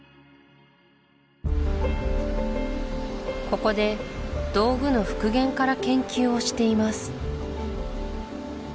ここで道具の復元から研究をしています